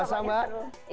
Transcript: oke selamat berpuasa mbak